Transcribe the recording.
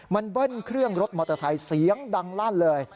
มันเบิ้ลเครื่องรถมอเตอร์ไซค์เสียงดังลั่นเลย